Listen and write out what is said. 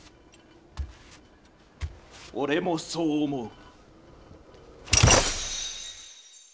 俺もそう思う。